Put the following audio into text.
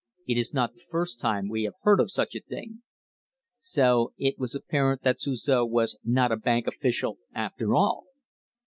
It is not the first time we have heard of such a thing." So it was apparent that Suzor was not a bank official after all!